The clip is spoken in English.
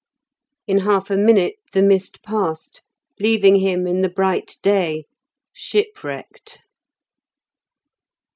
In half a minute the mist passed, leaving him in the bright day, shipwrecked.